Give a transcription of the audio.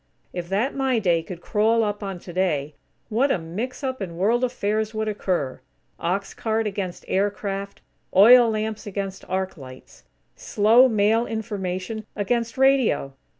If that "My Day" could crawl up on "Today," what a mix up in World affairs would occur! Ox cart against aircraft; oil lamps against arc lights! Slow, mail information against radio!